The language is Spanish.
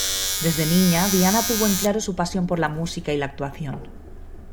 Desde niña Diana tuvo en claro su pasión por la música y la actuación.